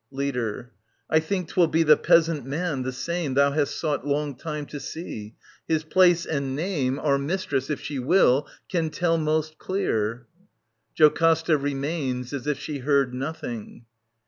Leader. I think 'twill be the Peasant Man, the same, Thou hast sought long time to see. — His place and name Our mistress, if she will, can tell most clear. [JocASTA remains as if she heard nothing.